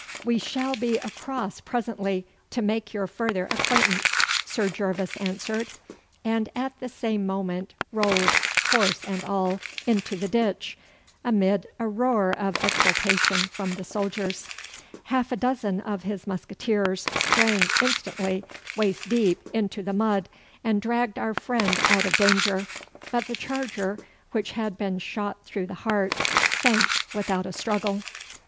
'We shall be across presently to make your further acquaintance,' Sir Gervas answered, and at the same moment rolled, horse and all, into the ditch, amid a roar of exultation from the soldiers. Half a dozen of his musqueteers sprang instantly, waist deep, into the mud, and dragged our friend out of danger, but the charger, which had been shot through the heart, sank without a struggle.